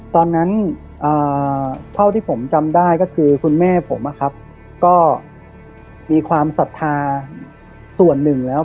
ตอนนั้นเท่าที่ผมจำได้ก็คือคุณแม่ผมก็มีความศรัทธาส่วนหนึ่งแล้ว